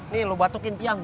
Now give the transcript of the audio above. nih lu batukin tiang